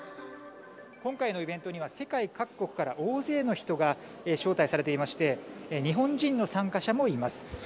今回のイベントには世界各国から大勢の人が招待されていまして日本人の参加者もいます。